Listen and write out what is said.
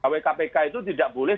wkpk itu tidak boleh